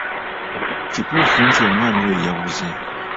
Kituufu nti omwana oyo yabuze?